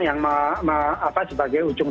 yang sebagai ujung